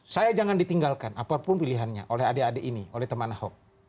saya jangan ditinggalkan apapun pilihannya oleh adik adik ini oleh teman ahok